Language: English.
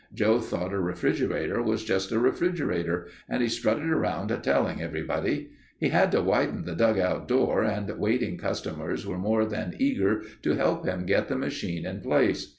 Joe thought a refrigerator was just a refrigerator and he strutted around telling everybody. He had to widen the dugout door and waiting customers were more than eager to help him get the machine in place.